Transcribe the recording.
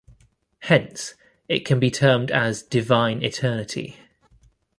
Hence, it can be termed as Divine Eternity.